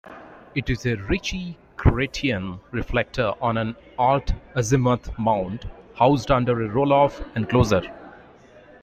It is a Ritchey-Chretien reflector on an alt-azimuth mount housed under a roll-off enclosure.